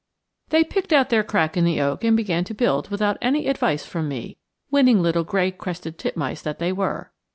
THEY picked out their crack in the oak and began to build without any advice from me, winning little gray crested titmice that they were.